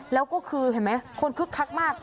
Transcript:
แล้วก็คือเห็นไหมคนคึกคักมาก